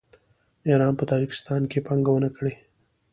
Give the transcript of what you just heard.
ایران په تاجکستان کې پانګونه کړې.